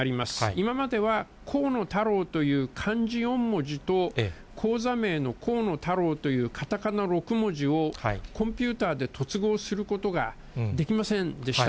今までは河野太郎という漢字４文字と、口座名のコウノタロウというカタカナ６文字をコンピューターで結合することができませんでした。